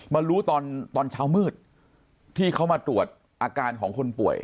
มารู้ตอนเช้ามืดที่เขามาตรวจอาการของคนป่วย